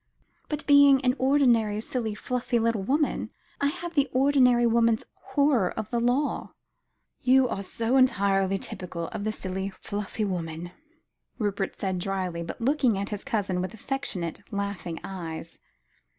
But being an ordinary silly, fluffy, little woman, I have the ordinary woman's horror of the law." "You are so entirely typical of the silly, fluffy woman," Rupert said drily, but looking at his cousin with affectionate, laughing eyes.